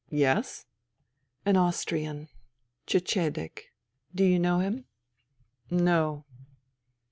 " Yes ?"" An Austrian, Cecedek. Do you know him ?"" No."